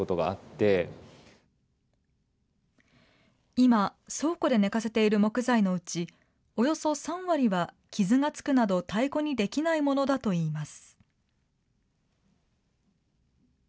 今、倉庫で寝かせている木材のうち、およそ３割は傷が付くなど太鼓にできないものだといいます。